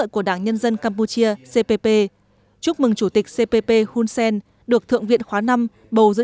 của đảng nhân dân campuchia cpp chúc mừng chủ tịch cpp hunsen được thượng viện khóa năm bầu giữ